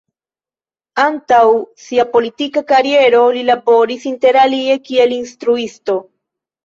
Antaŭ sia politika kariero li laboris interalie kiel instruisto.